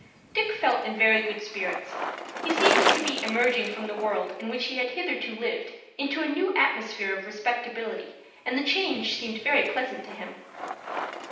Dick felt in very good spirits. He seemed to be emerging from the world in which he had hitherto lived, into a new atmosphere of respectability, and the change seemed very pleasant to him.